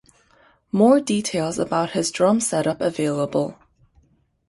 More details about his drum setup available.